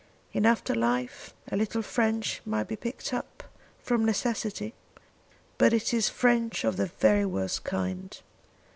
In after life a little French may be picked up, from necessity; but it is French of the very worst kind.